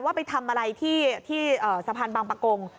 ไปทำอะไรที่สะพานบางประกง